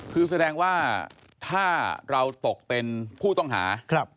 คือแสดงว่าถ้าเราตกเป็นผู้ต้องหา